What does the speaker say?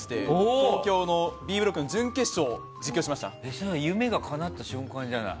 東京のＢブロックの準決勝を夢がかなった瞬間じゃない。